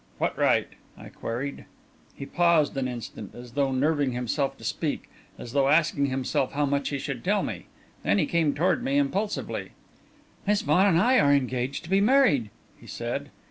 "What right?" I queried. He paused an instant, as though nerving himself to speak, as though asking himself how much he should tell me. Then he came toward me impulsively. "Miss Vaughan and I are engaged to be married," he said.